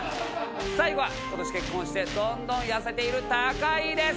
最後は今年結婚してどんどん痩せている高井です。